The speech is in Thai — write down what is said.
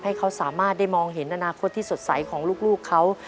ให้เขาสามารถได้มองเห็นอนาคตที่สดใสของลูกเขา